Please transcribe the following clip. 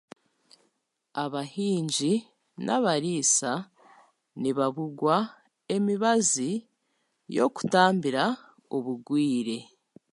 Abahingi n'abariisa nibabugwa emibazi y'okutambira obugwire